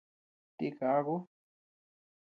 Tika aku.